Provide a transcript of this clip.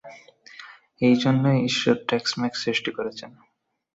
এই জন্যই ঈশ্বর টেক্স-মেক্স সৃষ্টি করেছেন।